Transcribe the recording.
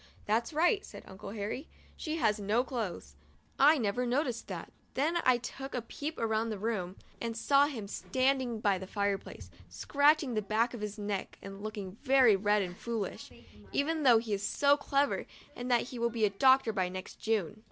"That's right," said Uncle Harry, "she has no clothes. I never no ticed that." Then I took a peep around the room 13 a THE DIARY OF A BIRTHDAY DOLL and saw him standing by the fireplace, scratching the back of his neck and looking very red and foolish — even though he is so clever and will be a doctor by next June.